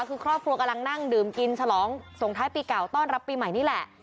คือครอบครัวกำลังนั่งดื่มกินฉลองส่งท้ายปีเก่าต้อนรับปีใหม่นี่แหละ